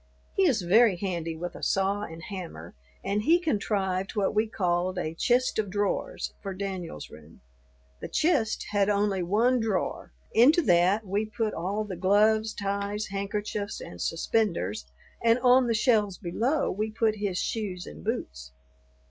He is very handy with a saw and hammer, and he contrived what we called a "chist of drawers," for Daniel's room. The "chist" had only one drawer; into that we put all the gloves, ties, handkerchiefs, and suspenders, and on the shelves below we put his shoes and boots.